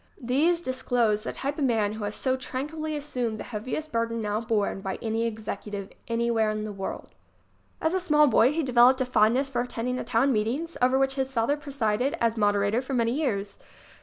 These disclose the type of man who has so tranquilly assumed the heaviest burden now borne by any executive anywhere in the world. f 16 ] HAVE FAITH IN COOLIDGE! As a small boy he developed a fondness for at tending the town meetings over which his father presided as moderator for many years.